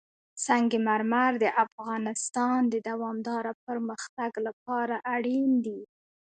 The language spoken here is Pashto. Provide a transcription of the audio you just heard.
سنگ مرمر د افغانستان د دوامداره پرمختګ لپاره اړین دي.